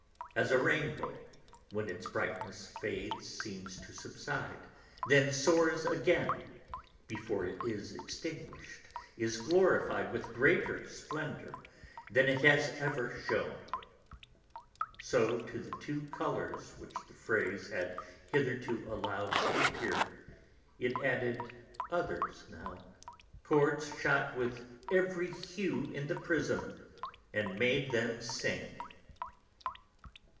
As a rainbow, when its brightness fades, seems to subside, then soars again and, before it is extinguished, is glorified with greater splendour than it has ever shewn; so to the two colours which the phrase had hitherto allowed to appear it added others now, chords shot with every hue in the prism, and made them sing.